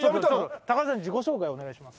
高田さんに自己紹介をお願いします。